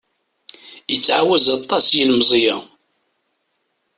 Ittɛawaz aṭas yilemẓi-a.